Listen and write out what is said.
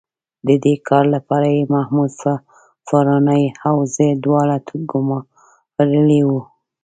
د دې کار لپاره یې محمود فاراني او زه دواړه ګومارلي وو.